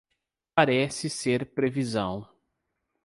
Parece ser previsão